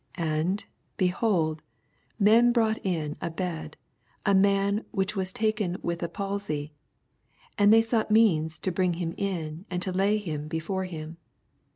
18 And, hehold, men brought in a bed a man which was taken with a palsjr : and they Bought meana to brin him iu, and to lay hi/m before him.